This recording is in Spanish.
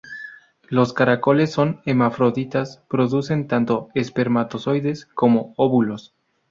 Los caracoles son hermafroditas, producen tanto espermatozoides como óvulos.